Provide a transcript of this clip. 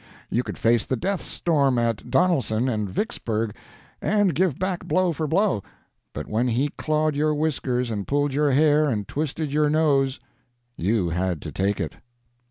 You could face the death storm at Donelson and Vicksburg, and give back blow for blow; but when he clawed your whiskers, and pulled your hair, and twisted your nose, you had to take it.